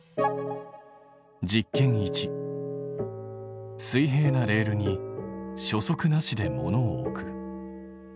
実験１水平なレールに初速なしで物を置く。